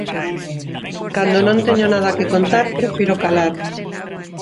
Cando non teño nada que contar prefiro calar.